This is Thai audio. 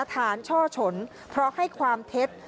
ช่อฉนเพราะให้ความเท็จ